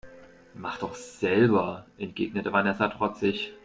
Mach doch selber, entgegnete Vanessa trotzig.